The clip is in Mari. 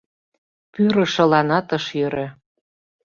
Пӱрышыланат ыш йӧрӧ.